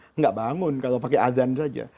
tidak bangun kalau pakai azan saja